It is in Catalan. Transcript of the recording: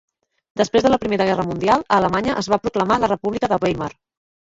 Després de la Primera Guerra Mundial, a Alemanya es va proclamar la República de Weimar.